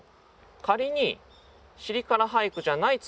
仮に「尻から俳句」じゃない作り方。